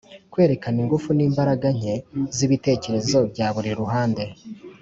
Kwerekana ingufu n’imbaraga nke z’ibitekerezo bya buri ruhande.